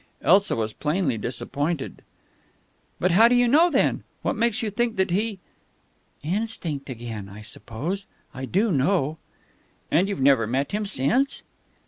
Elsa was plainly disappointed. "But how do you know, then ? What makes you think that he ?" "Instinct, again, I suppose. I do know." "And you've never met him since?"